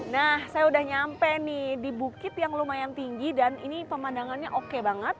nah saya udah nyampe nih di bukit yang lumayan tinggi dan ini pemandangannya oke banget